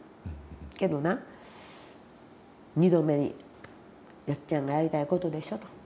けどな２度目に「よっちゃんがやりたいことでしょ」と。